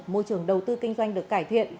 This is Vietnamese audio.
môi trường đầu tư kinh doanh được cải thiện